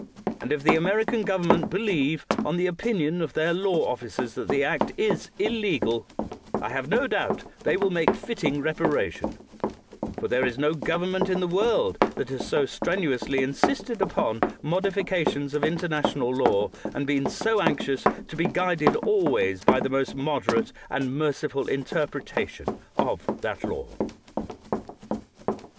And if the Ameri can government believe, on the opinion of their law officers, that the act is illegal, I have no doubt they will make fitting reparation; for there is no government in the world that has so strenuously insisted upon modifications of international law, and been so anxious to be guided always by the most moderate and merci ful interpretation of that law.